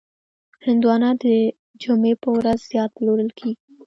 هندوانه د جمعې په ورځ زیات پلورل کېږي.